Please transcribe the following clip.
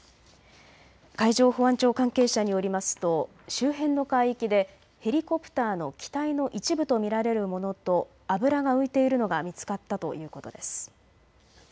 海上保安庁関係者によりますと周辺の海域でヘリコプターの機体の一部と見られるものと油が浮いているのが見つかったということです。